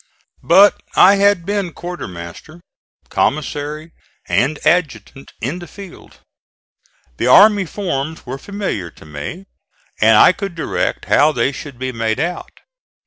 But I had been quartermaster, commissary and adjutant in the field. The army forms were familiar to me and I could direct how they should be made out.